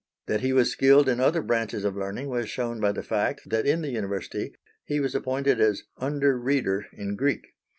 That he was skilled in other branches of learning was shown by the fact that in the University he was appointed as Under Reader in Greek.